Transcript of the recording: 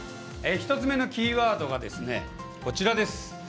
１つ目のキーワードがこちら。